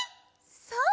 そう！